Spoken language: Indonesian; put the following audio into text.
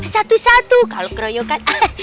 satu satu kalau keroyokan